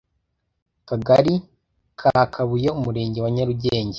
kagari ka kabuye umurenge wa nyarugenge